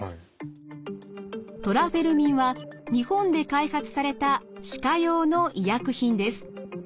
トラフェルミンは日本で開発された歯科用の医薬品です。